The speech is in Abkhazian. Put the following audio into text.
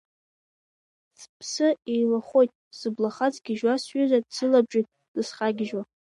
Сԥсы еилахәоит, сыблахаҵ гьежьуа, сҩыза дсылабжьоит дысхагьежьуа.